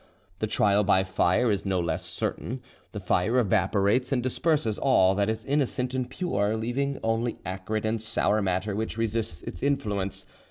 "The trial by fire is no less certain: the fire evaporates and disperses all that is innocent and pure, leaving only acrid and sour matter which resists its influence.